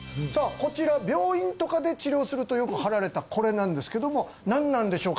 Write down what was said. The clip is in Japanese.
こちら病院とかで治療するとよく貼られたこれなんですけども何なんでしょうか？